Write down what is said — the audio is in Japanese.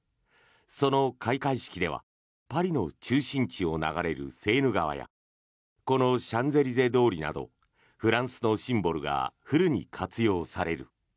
その開会式ではパリの中心地を流れるセーヌ川やこのシャンゼリゼ通りなどフランスのシンボルがフルに活用される。